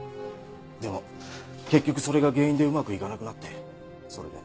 でも結局それが原因でうまくいかなくなってそれで。